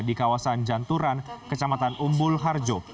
di kawasan janturan kecamatan umbul harjo